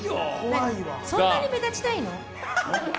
そんなに目立ちたいの？